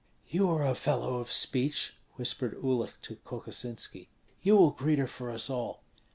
"You are a fellow of speech," whispered Uhlik to Kokosinski, "you will greet her for us all."